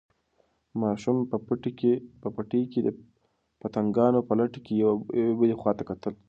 ماشوم په پټي کې د پتنګانو په لټه کې یوې او بلې خواته کتل.